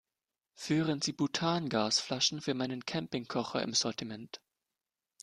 Führen Sie Butangasflaschen für meinen Campingkocher im Sortiment?